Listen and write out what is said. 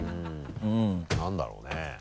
何だろうね？